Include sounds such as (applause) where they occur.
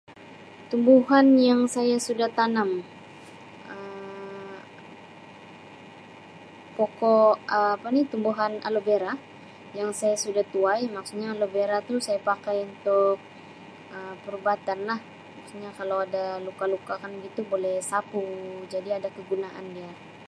(noise) Tumbuhan yang saya sudah tanam. Um Pokok Um apa ni? Tumbuhan aloe vera yang saya sudah tuai. Maksudnya, aloe vera tu saya pakai untuk Um perubatan lah. Maksudnya, kalau ada luka-luka kan gitu boleh sapu. Jadi ada kegunaan dia.